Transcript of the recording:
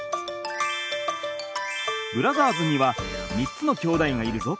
ブラザーズには３つのきょうだいがいるぞ。